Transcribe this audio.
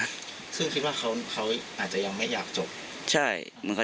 ซึ่งคิดว่าเขาอาจจะยังไม่อยากจบ